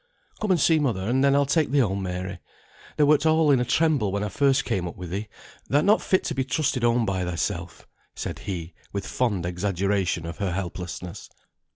"Come and see mother, and then I'll take thee home, Mary. Thou wert all in a tremble when first I came up with thee; thou'rt not fit to be trusted home by thyself," said he, with fond exaggeration of her helplessness.